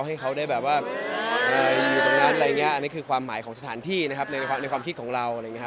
ให้เขาได้อยู่ตรงนั้นอันนี้คือความหมายของสถานที่ในความคิดของเรา